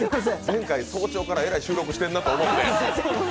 前回、早朝からえらい収録してるなと思って。